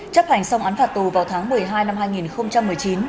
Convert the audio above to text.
chấp hành xong án phạt tù vào tháng một mươi hai năm hai nghìn một mươi chín